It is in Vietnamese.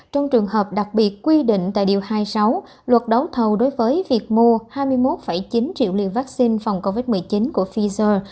trong trường hợp đặc biệt quy định tại điều hai mươi sáu luật đấu thầu đối với việc mua hai mươi một chín triệu liều vaccine phòng covid một mươi chín của pfizer